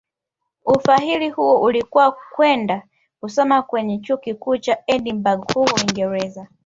Ufahili huo ulikuwa kwenda kusoma kwenye Chuo Kikuu cha Edinburgh huko Uingereza